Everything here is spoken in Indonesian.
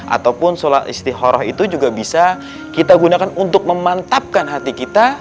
ataupun sholat istihoroh itu juga bisa kita gunakan untuk memantapkan hati kita